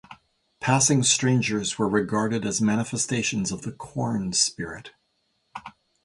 Passing strangers were regarded as manifestations of the corn spirit.